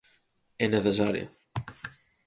E necesaria.